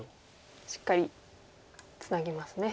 しっかりツナぎますね。